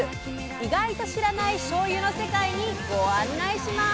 意外と知らないしょうゆの世界にご案内します！